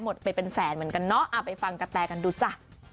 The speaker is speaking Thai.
ไปเป็นแสนเหมือนกันเนาะไปฟังกะแตกันดูจ้ะ